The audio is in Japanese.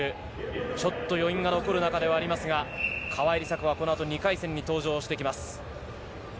ちょっと余韻が残る中ではありますが、川井梨紗子はこの後２回戦に登場してきます。